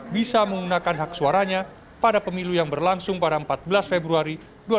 bisa menggunakan hak suaranya pada pemilu yang berlangsung pada empat belas februari dua ribu sembilan belas